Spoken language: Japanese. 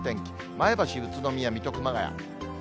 前橋、宇都宮、水戸、熊谷。